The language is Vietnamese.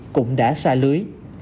cũng đã xa lưới